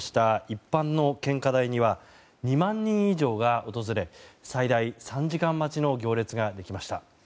一般の献花台には２万人以上が訪れ最大３時間待ちの行列ができました。